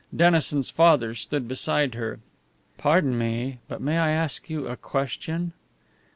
Dennison's father stood beside her. "Pardon me, but may I ask you a question?"